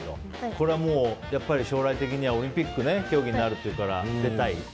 これは将来的にはオリンピックの競技になるっていうから出たい？